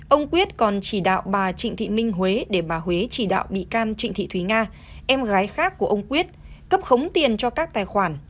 ông quyết còn chỉ đạo bà trịnh thị minh huế để bà huế chỉ đạo bị can trịnh thị thúy nga em gái khác của ông quyết cấp khống tiền cho các tài khoản